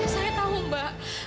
saya tahu mbak